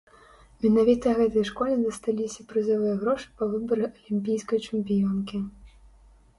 Менавіта гэтай школе дасталіся прызавыя грошы па выбары алімпійскай чэмпіёнкі.